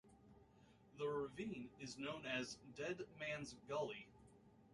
The ravine is known as 'Dead Man's Gully'.